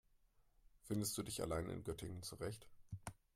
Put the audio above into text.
Findest du dich allein in Göttingen zurecht?